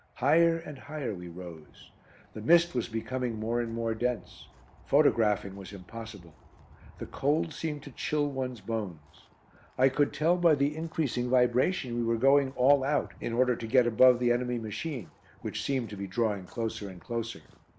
Higher and higher we rose. The mist was becoming more and more dense. Photographing was impossible. The cold seemed to chill one's bones. I could tell by the increasing vibration we were going "all out," in order to get above the enemy machine, which seemed to be drawing closer and closer.